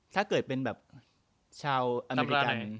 ถ้าเกิดเป็นแบบชาวอเมริกัน